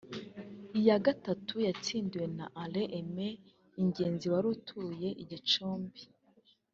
Iya gatatu yatsindiwe na Alain Aime Ingenzi wari atuye I Gicumbi